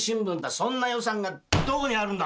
そんな予算がどこにあるんだ！